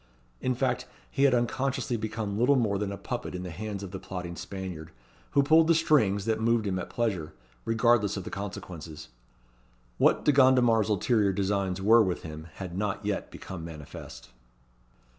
In fact, he had unconsciously become little more than a puppet in the hands of the plotting Spaniard, who pulled the strings that moved him at pleasure, regardless of the consequences. What De Gondomar's ulterior designs were with him had not yet become manifest.